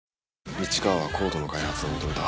市川はＣＯＤＥの開発を認めた。